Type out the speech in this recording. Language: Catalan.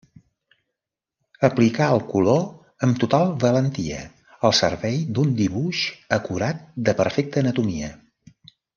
Aplicà el color amb tota valentia, al servei d’un dibuix acurat, de perfecta anatomia.